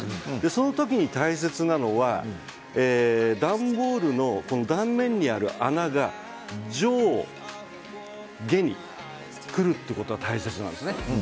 そのときに大切なのは段ボールの断面にある穴が上下にくるということが大事なんですね。